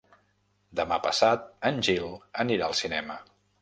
Demà passat en Gil anirà al cinema.